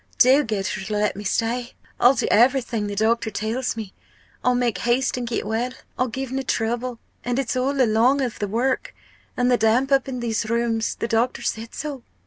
do get her to let me stay I'll do everything the doctor tells me I'll make haste and get well I'll give no trouble. And it's all along of the work and the damp up in these rooms the doctor said so."